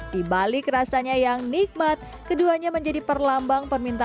di balik rasanya yang nikmat keduanya menjadi perlambang permintaan